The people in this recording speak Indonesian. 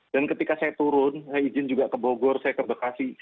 dan ketika saya turun saya izin juga ke bogor saya ke bekasi